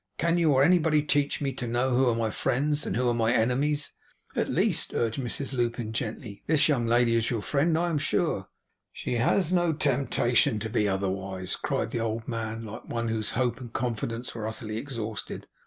Can you or anybody teach me to know who are my friends, and who my enemies?' 'At least,' urged Mrs Lupin, gently, 'this young lady is your friend, I am sure.' 'She has no temptation to be otherwise,' cried the old man, like one whose hope and confidence were utterly exhausted.